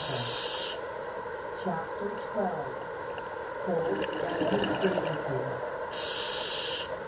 CHAPTER TWELVE. HOLT AND HIS DIGNITY.